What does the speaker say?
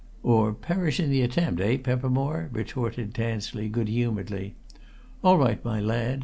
"Or perish in the attempt, eh, Peppermore?" retorted Tansley good humouredly. "All right, my lad!